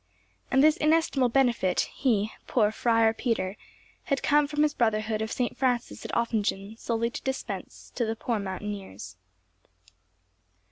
And this inestimable benefit he, poor Friar Peter, had come from his brotherhood of St. Francis at Offingen solely to dispense to the poor mountaineers.